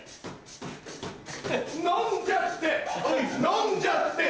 飲んじゃって！